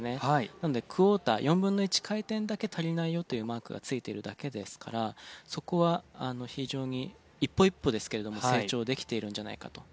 なのでクオーター４分の１回転だけ足りないよというマークが付いているだけですからそこは非常に一歩一歩ですけれども成長できているんじゃないかと。